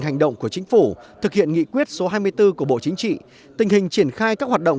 hành động của chính phủ thực hiện nghị quyết số hai mươi bốn của bộ chính trị tình hình triển khai các hoạt động